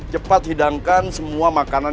cepat hidangkan semua makanan